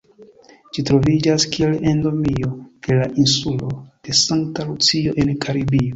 Ĝi troviĝas kiel endemio de la insulo de Sankta Lucio en Karibio.